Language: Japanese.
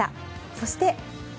そして。